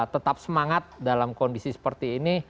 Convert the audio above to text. tetap semangat dalam kondisi seperti ini